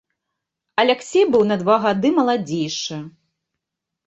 Аляксей быў на два гады маладзейшы.